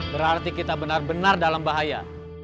berarti kita benar benar dalam bahaya